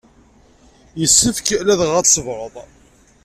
Yessefk ladɣa ad tṣebreḍ.